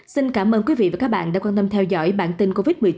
xin cảm ơn quý vị và các bạn đã quan tâm theo dõi bản tin covid một mươi chín